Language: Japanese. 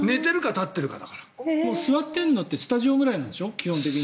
座っているのってスタジオくらいなんでしょ基本的に。